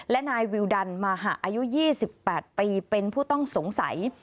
และนายวิวดันมาหะอายุ๒๘ปีเป็นผู้ต้องสงสัย